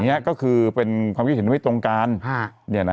ถูกต้องถูกต้องถูกต้องถูกต้องถูกต้องถูกต้อง